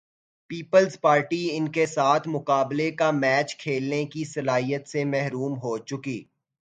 Peoples Party ان کے ساتھ مقابلے کا میچ کھیلنے کی صلاحیت سے محروم ہو چکی۔